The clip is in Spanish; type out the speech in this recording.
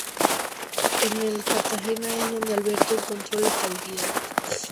En el Cartagena es donde Alberto encontró la estabilidad.